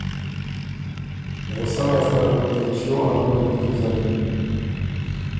غصۀ لاسته ره بو ته چیو ا لُووئ نیکیزکِن۔